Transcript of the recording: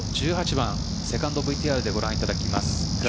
１８番、セカンドをＶＴＲでご覧いただきます。